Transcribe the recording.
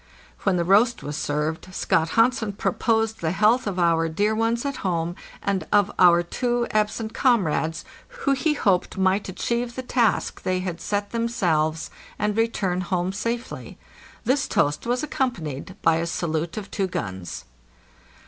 When the roast was served Scott Hansen proposed the health of our dear ones at home and of our two absent comrades, who he hoped might achieve the task they had set themselves and return home safely. This toast was accompanied by a salute of two guns.